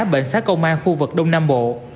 bệnh xá công an khu vực đông nam bộ